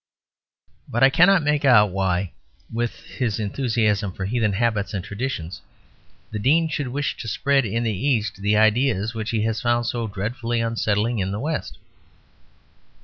But I cannot make out why, with his enthusiasm for heathen habits and traditions, the Dean should wish to spread in the East the ideas which he has found so dreadfully unsettling in the West.